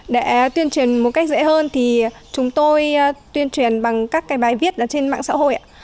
để tuyên truyền một cách dễ hơn thì chúng tôi tuyên truyền bằng các cái bài viết trên mạng xã hội